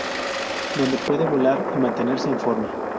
Donde puede volar y mantenerse en forma.